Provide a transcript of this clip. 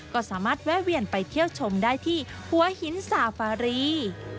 ก็สามารถแวะเวียนไปเที่ยวชมได้ที่หัวหินสาฟารี